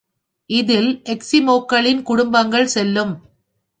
இதில் எஸ்கிமோக்களின் குடும்பங்கள் செல்லும்.